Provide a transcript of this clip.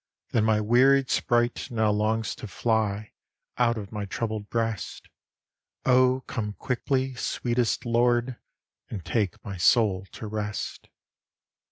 Than my wearied sprite now longs to fly out of my troubled breast. O come quickly, sweetest Lord, and take my soul to rest!